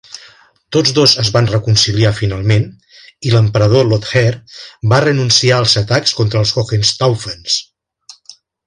Tots dos es van reconciliar finalment i l'emperador Lothair va renunciar als atacs contra els Hohenstaufens.